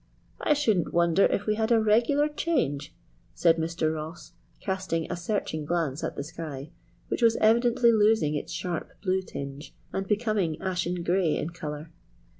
"I shouldn't wonder if we had a regular change," said Mr. Ross, casting a searching glance at the sky, which was evidently losing its sharp blue tinge and becoming ashen gray in colour.